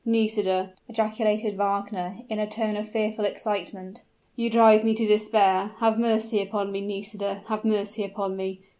"Nisida," ejaculated Wagner, in a tone of fearful excitement, "you drive me to despair! Have mercy upon me, Nisida, have mercy upon me!